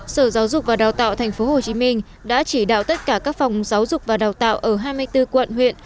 sở giáo dục và đào tạo tp hcm đã chỉ đạo tất cả các phòng giáo dục và đào tạo ở hai mươi bốn quận huyện